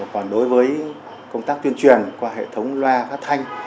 còn đối với công tác tuyên truyền qua hệ thống loa phát thanh